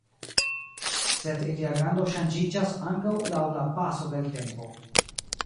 Sed ilia grando ŝanĝiĝas ankaŭ laŭ la paso de l' tempo.